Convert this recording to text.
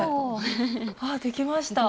ああああできました。